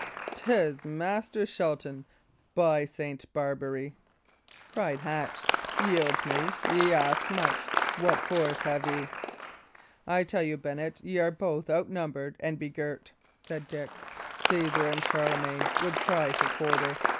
"'Tis Master Shelton, by St. Barbary!" cried Hatch. "Yield me? Ye ask much. What force have ye?" "I tell you, Bennet, ye are both outnumbered and begirt," said Dick. "Caesar and Charlemagne would cry for quarter.